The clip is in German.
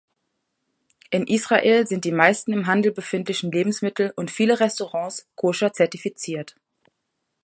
In Israel sind die meisten im Handel befindlichen Lebensmittel und viele Restaurants koscher-zertifiziert.